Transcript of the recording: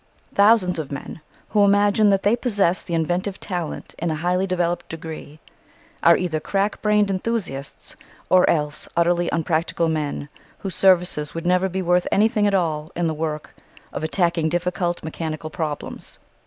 Thousands of men, who imagine that they possess the inventive talent in a highly developed degree, are either crack brained enthusiasts or else utterly unpractical men whose services would never be worth anything at all in the work of attacking difficult mechanical problems.